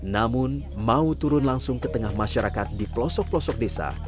namun mau turun langsung ke tengah masyarakat di pelosok pelosok desa